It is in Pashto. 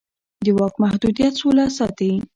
د واک محدودیت سوله ساتي